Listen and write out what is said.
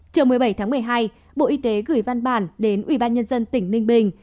trong một mươi bảy tháng một mươi hai bộ y tế gửi văn bản đến ubnd tỉnh ninh bình